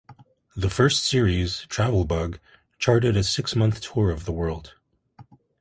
The first series, "Travel Bug", charted a six-month tour of the world.